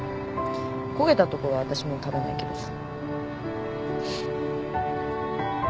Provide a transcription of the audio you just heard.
焦げたとこはわたしも食べないけどさ。